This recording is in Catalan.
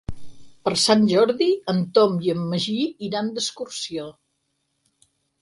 Per Sant Jordi en Tom i en Magí iran d'excursió.